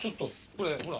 これほら。